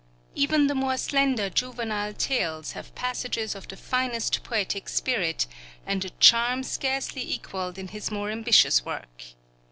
Even the more slender juvenile tales have passages of the finest poetic spirit, and a charm scarcely equaled in his more ambitious work.